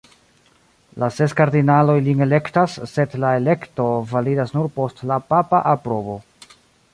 La ses kardinaloj lin elektas, sed la elekto validas nur post la papa aprobo.